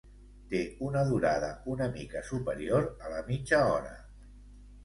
Té una durada una mica superior a la mitja hora.